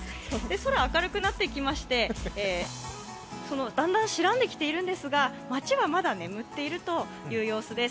空、明るくなってきまして、だんだん白んできているんですが街はまだ眠っているという様子です。